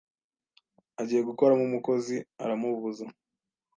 agiye gukoramo umukozi aramubuza